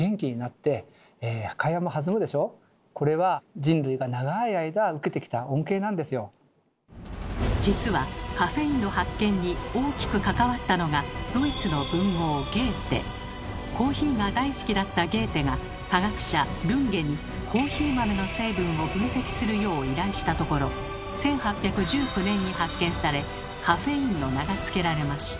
これは実はカフェインの発見に大きく関わったのがコーヒーが大好きだったゲーテが化学者ルンゲに１８１９年に発見され「カフェイン」の名が付けられました。